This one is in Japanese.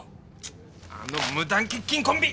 あの無断欠勤コンビっ！